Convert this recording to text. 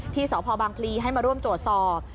ที่สพบางพลีให้มาร่วมตรวจสอบ